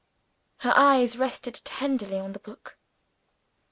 Her eyes rested tenderly on the book.